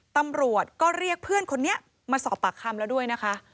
ตำรวจก็เรียกเพื่อนคนนี้มาสอบปากคำแล้วด้วยนะคะ